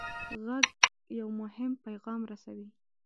غږ یو مهم پیغام رسوي.